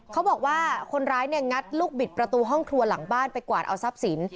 เขาบอกว่าคนร้ายเนี่ยงัดลูกบิดประตูห้องครัวหลังบ้านไปกวาดเอาทรัพย์สิน